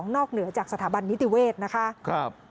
นอกเหนือจากสถาบันนิติเวทย์นะคะครับ